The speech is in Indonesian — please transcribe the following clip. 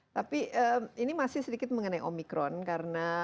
tapi ini masih sedikit mengenai omikron karena